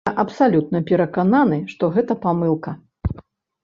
Я абсалютна перакананы, што гэта памылка.